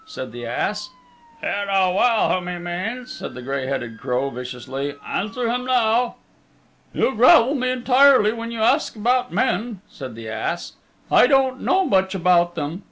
said the ass. "You know well whom he means," said the gray headed crow viciously. "Answer him now." "You gravell me entirely when you ask about men," said the ass. "I don't know much about them.